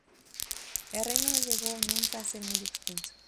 El reino no llegó nunca a ser muy extenso.